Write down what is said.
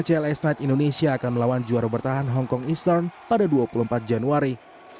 cls knight indonesia akan melawan juara bertahan hongkong e star pada dua puluh empat januari